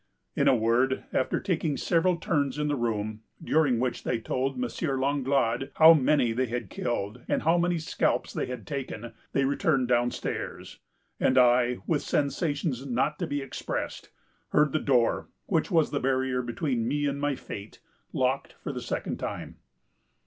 In a word, after taking several turns in the room, during which they told M. Langlade how many they had killed, and how many scalps they had taken, they returned downstairs; and I, with sensations not to be expressed, heard the door, which was the barrier between me and my fate, locked for the second time.